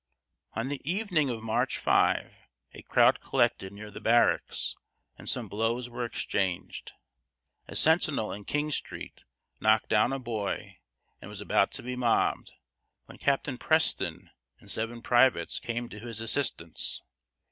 On the evening of March 5 a crowd collected near the barracks and some blows were exchanged; a sentinel in King Street knocked down a boy, and was about to be mobbed, when Captain Preston and seven privates came to his assistance.